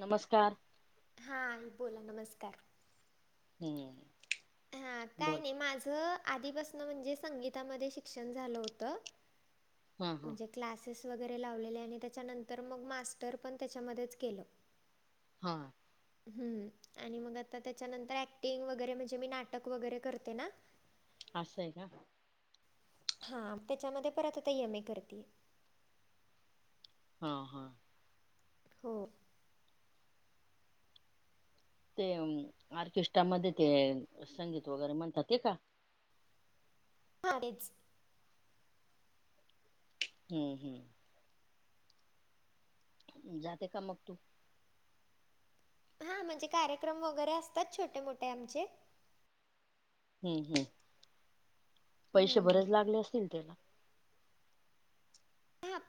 नमस्कार! हा बोला, नमस्कार. हम्म हा काय बोल नायी माझ आधीपासन म्हणजे संगीतामदे शिक्षण झाल होत. हा हा म्हणजे क्लासेस वगैरे लावलेले. आणि त्याच्यानंतर मग मास्टर पण त्याच्यामध्येच केल. हा हम्म, आणि मग आता त्याच्यानंतर ऍक्टिंग वगैरे म्हणजे मी नाटक वगैरे करते ना. असये का? हा त्याच्यामध्ये परत आता यम. ए. करतेय. हा हा हो ते अम्म ऑर्केस्ट्रा मध्ये ते अ संगीत वगरे म्हणतात ते का? ह तेच. हम्म हम्म जाते का मग तू? हा म्हणजे कार्यक्रम वगरे असतात छोटे मोठे आमचे. हम्म हम्म, पैशे हम्म. बरेच लागले असतील त्याला.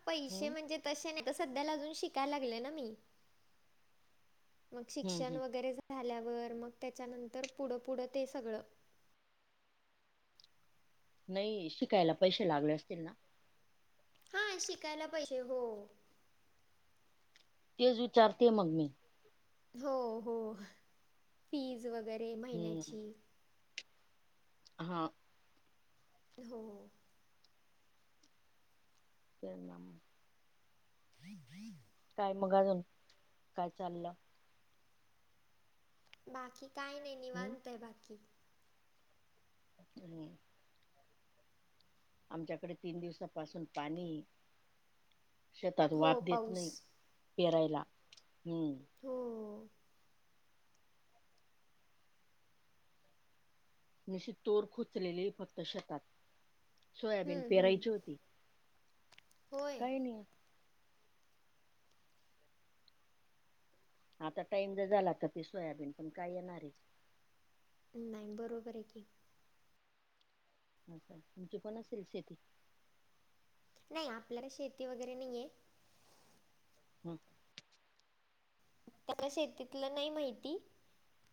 पैशे हम्म म्हणजे तशे नाही. आता सध्याला अजून शिकायला लागले ना मी. मग हम्म शिक्षण हम्म वगरे झाल्यावर मग त्याच्यानंतर पुढ पुढ ते सगळ नई शिकायला पैशे लागले असतील ना? हा शिकायला पैशे, हो तेच विचारतेय मग मी. हो हो, फीज वगरे हम्म महिन्याची हा हो तेज ना म [inaudible] काय मग अजून, काय चालल? बाकी काय नायी हम्म निवांत आहे बाकी. [unintelligible] आमच्याकडे तीन दिवसापासून पाणीये. शेतात हो वाप देत पाऊस नयी, पेरायला. हम्म हो नशीब तोर खोचलेली फक्त शेतात. सोयाबीन हम्म हम्म पेरायची होती. होय कायी नयी. आता टाइम ज झाला त ते सोयाबीन पण काय येणार ये. नायी बरोबर ये की. तुमची पण असेल शेती? नयी आपल्याला शेती वगैरे नयी ये. [inaudible] त्या कशे आहेत तिथल नाही माहिती.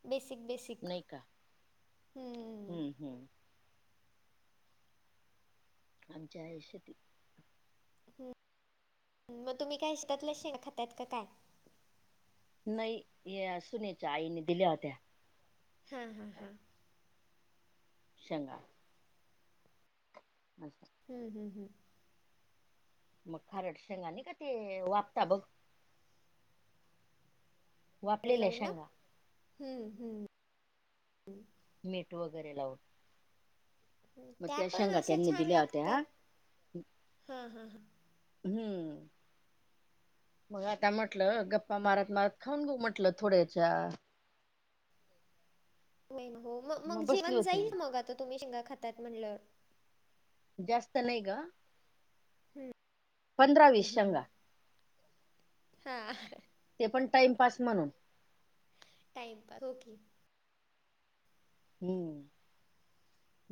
बेसिक बेसिक नाही का पीक, हम्म आमची आहे शेती. हम्म, मग तुम्ही काय शेतातल्या शेंगा खातायत का काय? नाही हे अ सुनेच्या आईने दिल्या होत्या. हा हा हा शंगा अच्छा हम्म, हम्, हम्. मग खारट शेंगा निका ते, वापता बघ. ए वापलेल्या लावून ना. शेंगा हम, हम. मीठ वगैरे लाऊन. त्या पण असे त्यांनी छान दिल्या होत्या लागतात. हा, हा, ह. हम्म. मग आता म्हटलं. गप्पा मारत - मारत खाऊन घेऊ म्हटलं. थोड्याच्या. हो, हो. मग- मग बसली जेवण होती जाईल मी मग. आता तुम्ही शेंगा खातायत म्हणल्यावर. जास्त नाही गं. पंधरा - हम्म वीस हम्म शेंगा. हा. ते पण, टाइमपास म्हणून. टाईमपा, हो की. हो.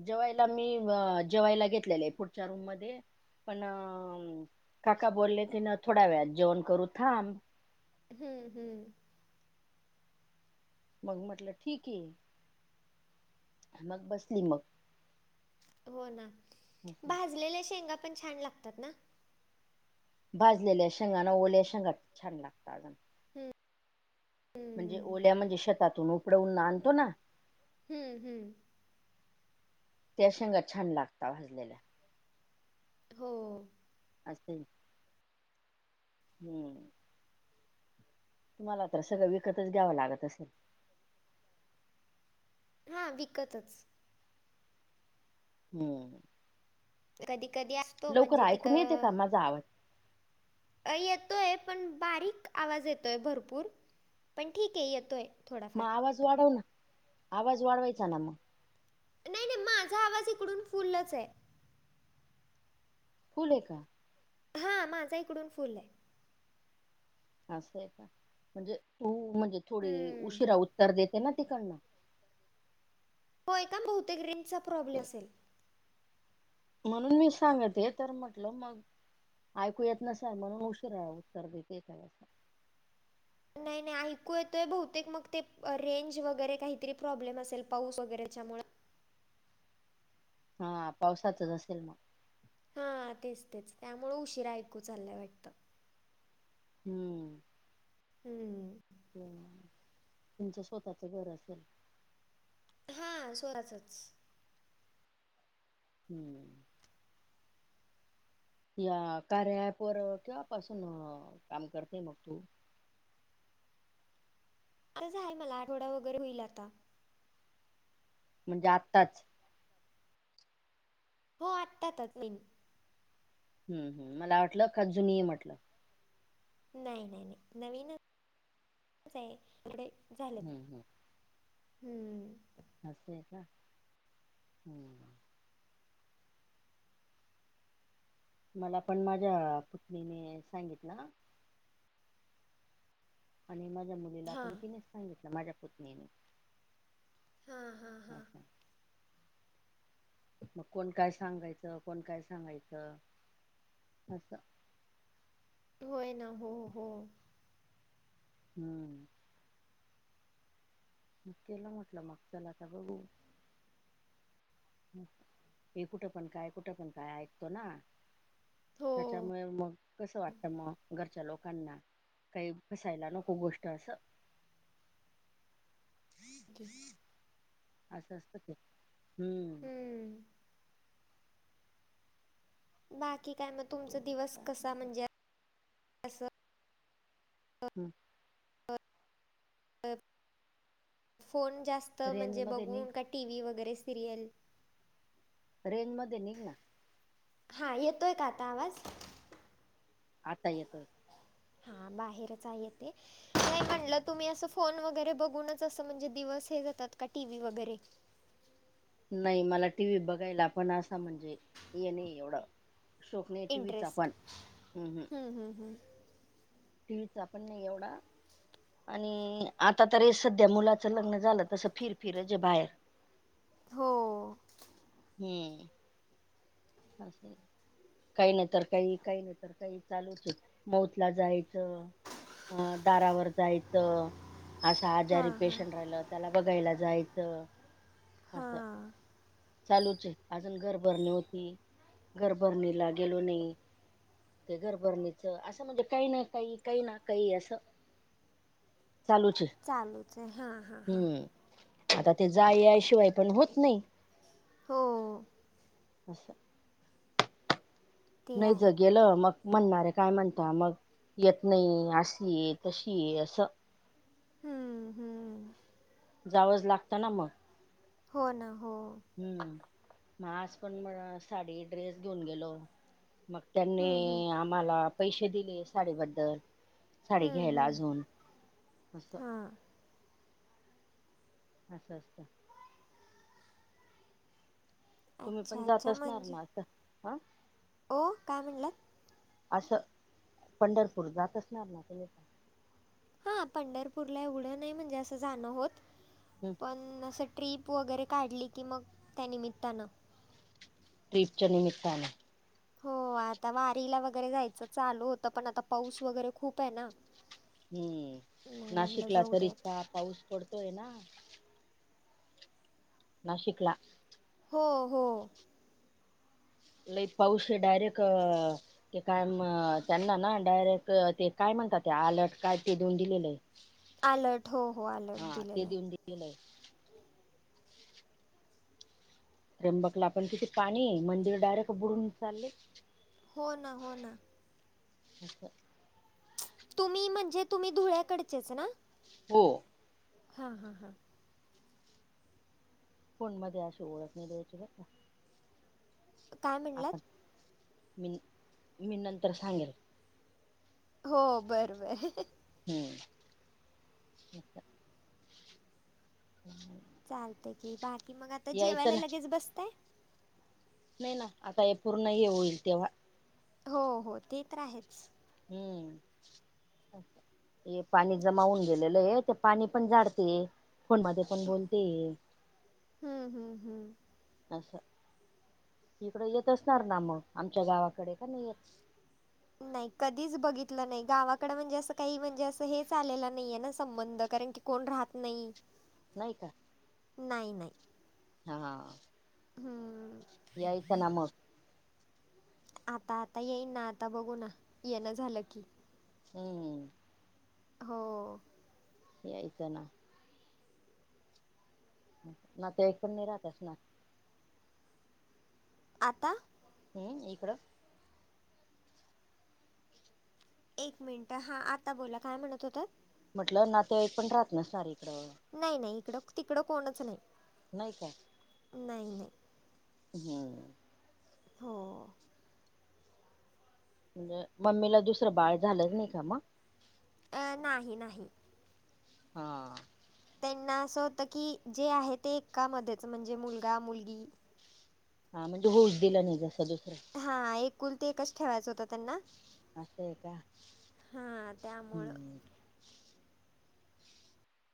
जेवायला मी, जेवायला घेतलेलेय. पुढच्या रूम मध्ये. पण काका बोललेती न, थोड्या वेळात जेवण करू, थांब. हम्म, हम्म. मग म्हटलं, ठीकय. मग बसली मग. हो, ना. भाजलेल्या शेंगा पण, छान लागतात ना. भाजलेल्या शेंगा न, ओल्या शेंगापेक्षा छान लागतात. म्हणजे हम्म ओल्या म्हणजे शतातून उप पडऊून आणतो ना? हम्म, हम्म. त्या शेंगा छान लागतात. भाजलेल्या. हो. असेच. हम्म. तुम्हाला तर सगळं, विकतच घ्यावं लागत असल. हा, विकतच. हम्. कधी - कधी असतो. म्हणजे, तिकं तुझा आवाज. अ येतोय, पण बारीक आवाज येतोय भरपूर. पण ठीकय, येतोय. मग थोडाफार. आवाज वाढव ना? आवाज वाढवायचा ना मग. नाही - नाही, माझा आवाज इकडून फुलचय. फुलय का? हा, माझा इकडून फुलय. असंय, का? म्हणजे, तू म्हणजे, थोडी हम्म. उशिरा उत्तर देते ना, तिकडन. होय, का? बहुतेक रेंजचा प्रॉब्ले असेल. म्हणून मी सांगते. तर म्हटलं मग ऐकू येत नसाय. म्हणून उशिरा उत्तर देते काय असं? नाही - नाही, ऐकू येतोय. बहुतेक मग ते, रेंज वगैरे काहीतरी प्रॉब्लेम असेल. पाऊस वगैरेच्या मुळ. हा, पावसाचच असेल मग. हा, तेच, तेच. त्यामुळे उशिरा ऐकू चालाय वाटतं. हम. हम. तुमचं, स्वतःचं घर असेल. हां, स्वतःचच. हम्म या कार्या ॲप वर केव्हापासून काम करते, मग तू आता झाल मला, आठवडा वगैरे होईल आता. म्हणजे आत्ताच. हो आत्ता आत्ता तीन हम्म हम्म मला वाटलं, का जुनी हाय म्हटलं. नाही, नाही, नाही नवीनच आहे एवढे हम्म झाल्यात. हम्म. असय का हम्म. मला पण माझ्या पुतनीने सांगितलं. आणि माझ्या मुलीला हां पण तिनेच सांगितलं. माझ्या पुतनीने. हां हां हां अच्छा. कोण काय सांगायचं, कोण काय सांगायचं असं. होय ना हो हो. हं. केला म्हटलं मग, चला बघु ते कुठं पण काय, कुठं पण काय ऐकतो ना. हो. त्याच्यामुळे, मग कसं वाटतं मग. घरच्या लोकांना, काही फसायला नको गोष्ट असं. [unintelligible] असं, असतं ते हम्म. हम्म बाकी काय मग, मग तुमचा दिवस कसा म्हणजे. असं [inaudible] फोन जास्त रेंज म्हणजे, मध्ये निघ बघून का टीव्ही वगैरे सिरियल. रेंज मध्ये ये. हां, येतोय का आता आवाज. आता येतोय. हां, बाहेरच आहे येथे. नाही म्हणलं, तुम्ही असं फोन वगैरे बघूनच असं म्हणजे, दिवस हे जातात का टीव्ही वगैरे. नाही मला टी व्ही बघायला पण, असं म्हणजे हे नाही एवढं शैाक नाही टीव्हीचा पण. हं, हं, हं. टीव्हिचा पण नाही एवढा. आणि, आता तर हे सध्या मुलाचं लग्न झालं, तसं फिरफिरच आहे बाहेर. हो. हं. [unintelligible] काही नाहि तर काही, काहि नाही तर काही चालूचय. मऊत ला जायचं. अं दारावर जायचं. असा आजारी हां हां पेशंट राहिला त्याला बघायला जायचं. अस हां चालूचय, अजून घर भरणी होती. घरभरणीला गेलो नाही. ते घरभरणीचं, असं म्हणजे काही नाही काही, काही ना काही असतं. चालूच आहे. चालूच हाय हां हां हां हम्म आता ते जाय याय शिवाय पण होत नाही. हो. [unintelligible] ते नाही ग आहे गेलं म म्हणणारे काय म्हणता मग येत नाही अशी ये तशी ये असं हम्म हम्म जावंच लागतं ना मग. हो ना हो. हम्म म आज पण म साडी ड्रेस घेऊन गेलो मग. त्यांनी हम्म हम्म आम्हाला पैसे दिले साडीबद्दल. साडी हम्म घ्यायला हम्म अजून अस. हां असं असतं. तुम्ही पण अच्छा जात अच्छा असणार म्हणजे ना आता हा. ओ काय म्हणलात? असं पंढरपूर जात असणार ना हा पंढरपूरला एवढं नाही म्हणजे असं जाणं होत. हम्म. पण असं ट्रीप वगैरे काढली की मग त्यानिमित्तानं. ट्रीपच्या निमित्तान हो, आता वारीला वगैरे जायचं चालू होतं पण आता पाऊस वगैरे खूप आहे ना हम्म मग म्हटलं नाशिकला जाऊ तरी दे आता इतका पाऊस पडतोय ना नाशिकला हो हो.. लय पाऊस आहे डयरेक्ट अ ते काय म त्यांना ना डायरेक्ट ते काय म्हणतात ते आलट काय ते दोन दिलेत अलर्ट हो हो अलर्ट दिलेत. दिलेत. त्र्यंबकला पण किती पाणी हे. मंदिर डायरेक्ट बुडून चालले. हो ना हो ना. [unintelligible] तुम्ही म्हणजे तुम्ही धुळ्याकडचेच ना? हो. हा हा हा. फोन मध्ये अशी ओळख नाही द्यायची ब काय आता म्हणलात मीनी मीनी नंतर सांग हो बर बर. हम्म [unintelligible] चालतय की बाकी मग आता यायचं जेवायला ना लगेच बसता? नाही ना आता हे पूर्ण हे होईल तेव हो हो ते तर आहेच. हम्म. हे पाणी जमावून गेलेलं आहे ते पाणी पण जाडते फोन मध्ये आपण बोलते. हम्म, हम्म, हम्म. असं इकडं येत असणार नां मग, आमच्या गावाकडे का नाही येत? नाही कधीच बघितलं नाही गावाकडे म्हणजे असं काही म्हणजे असं हेच आलेलं नाहीये ना संबंध कारण की कोण राहत नाही नाही का नायी नाय. हां हां हुं यायचं ना मग. आता आता येईन ना आता बघू ना येन झालं की. हुं हों यायच ना नाते ऐकपण नाही राहत असणारं आता हुं इकड एक मिनिट हां आता बोला काय म्हणत होतात. म्हटलं नातेवाईक पण राहत नसनार इकडे. नायी नायी इकडं तिकडं कोणच नायी. नायी काय नायी नायी. हां हों म्हणजे मम्मीला दुसरं बाळ झालंच नायी का मग? अं नाही नाही हां त्यांना असं होतं की जे आहे ते एका मध्येच म्हणजे मुलगा, मुलगी. हा म्हणजे होऊच दिलं नाही जसं दुस हां एकुलती एकच ठेवायचं होत त्यांना असं आहे का हां त्यामुळं हम्म